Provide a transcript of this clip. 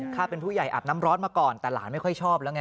ข้าเป็นผู้ใหญ่อาบน้ำร้อนมาก่อนแต่หลานไม่ค่อยชอบแล้วไง